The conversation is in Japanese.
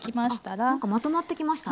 あっ何かまとまってきましたね。